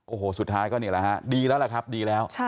โอ้โหสุดท้ายก็นี่แหละฮะดีแล้วล่ะครับดีแล้ว